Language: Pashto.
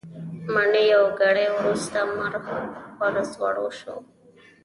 مټې یوه ګړۍ وروسته مخ پر ځوړو شو.